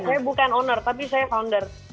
saya bukan owner tapi saya founder